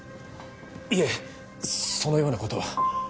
いえそのような事は。